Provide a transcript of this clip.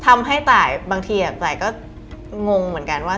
ทำให้ตายบางทีตายก็งงเหมือนกันว่า